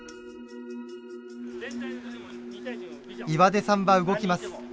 岩出さんは動きます。